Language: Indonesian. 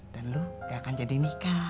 dan lu gak akan jadi nikah